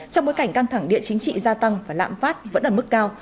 trong bối cảnh căng thẳng địa chính trị gia tăng và lạm phát vẫn ở mức cao